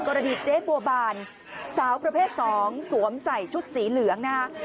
เจ๊บัวบานสาวประเภท๒สวมใส่ชุดสีเหลืองนะฮะ